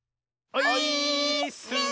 オイーッス！